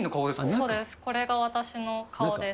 そうです、これが私の顔です。